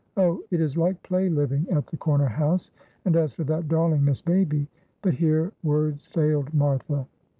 Oh, it is like play living at the corner house, and as for that darling Miss Baby " but here words failed Martha.